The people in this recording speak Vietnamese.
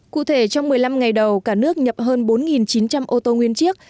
cụ thể trong một mươi năm ngày đầu cả nước nhập hơn bốn chín trăm linh ô tô nguyên chiếc